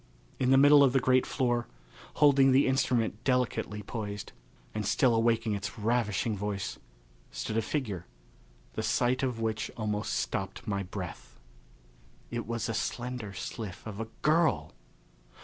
In the middle of the great floor, holding the instrument delicately poised, and still awaking its ravishing voice, stood a figure, the sight of which almost stopped my breath. It was a slender sylph of a girl!